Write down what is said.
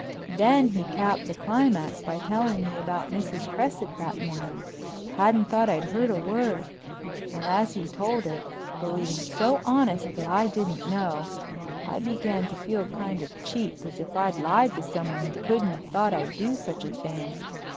Then he capped the climax by telling me about Mrs. Cresset that morning—hadn't thought I'd heard a word. And as he told it, believing so honest that I didn't know, I began to feel kind of cheap as if I'd lied to someone who couldn't have thought I'd do such a thing.